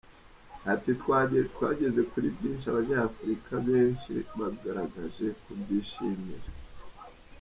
Ati “Twageze kuri byinshi, abanyafurika benshi bagaragaje kubyishimira.